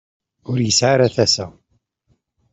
Ur yesɛi ara tasa.